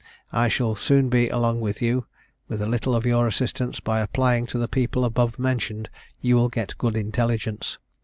I shall soon be along with you, with a little of your assistance; by applying to the people above mentioned you will get good intelligence.